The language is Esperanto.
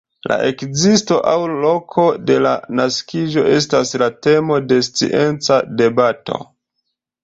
La ekzisto aŭ loko de la naskiĝo estas la temo de scienca debato.